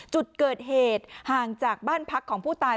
จุดเกิดเหตุห่างจากบ้านพักของผู้ตาย